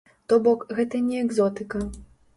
То бок, гэта не экзотыка.